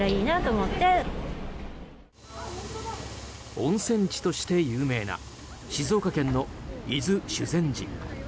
温泉地として有名な静岡県の伊豆・修善寺。